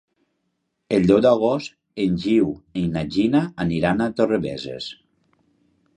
El deu d'agost en Guiu i na Gina aniran a Torrebesses.